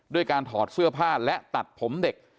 ด้วยการถอดเสื้อผ้าและตัดผมเด็ก